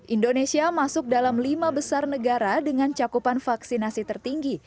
indonesia masuk dalam lima besar negara dengan cakupan vaksinasi tertinggi